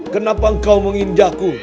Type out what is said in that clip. kenapa kau menginjakku